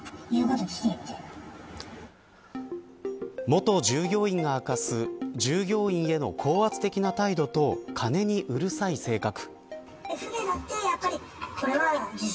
元従業員が明かす従業員への高圧的な態度と金にうるさい性格。